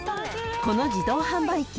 ［この自動販売機